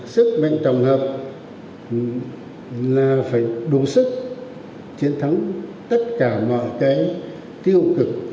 sức mạnh tổng hợp là phải đủ sức chiến thắng tất cả mọi cái tiêu cực